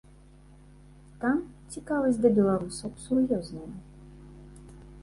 Там цікавасць да беларусаў сур'ёзная.